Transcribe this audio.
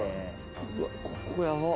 うわっここやばっ。